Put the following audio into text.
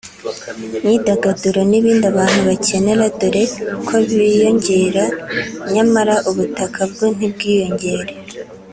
imyidagaduro n’ibindi abantu bakenera dore ko biyongera nyamara ubutaka bwo ntibwiyongere